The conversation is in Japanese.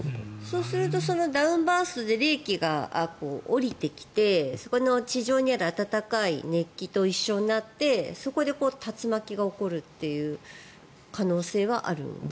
そうするとダウンバーストで冷気が下りてきてそこの地上にある暖かい熱気と一緒になってそこで竜巻が起こるっていう可能性はあるんですか？